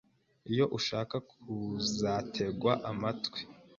iyo ushaka kuzategwa amatwi,